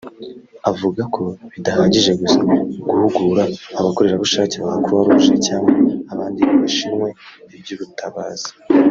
avuga ko bidahagije gusa guhugura abakorerabushake ba Croix Rouge cyangwa abandi bashinwe iby’ubutabazi